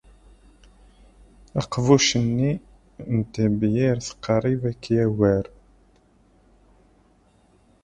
Aqbuc-nni n tebyirt qrib ad k-yagar.